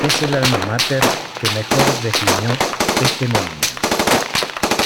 Es el alma mater que mejor definió este movimiento.